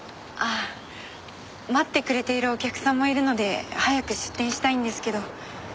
あ待ってくれているお客さんもいるので早く出店したいんですけど。